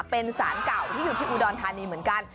เป็นสารเก่าที่อยู่ที่อุดรธานีเหมือนกัน